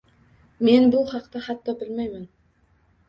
Men bu haqda hatto bilmayman